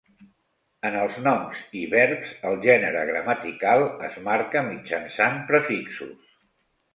En els noms i verbs el gènere gramatical es marca mitjançant prefixos.